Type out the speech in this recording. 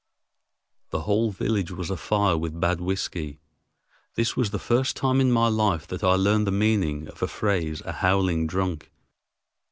The whole village was afire with bad whiskey. This was the first time in my life that I learned the meaning of the phrase "a howling drunk."